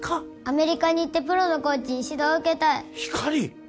アメリカに行ってプロのコーチに指導を受けたいひかり！？